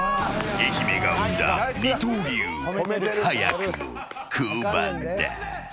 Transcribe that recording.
愛媛が生んだ二刀流早くも降板だ。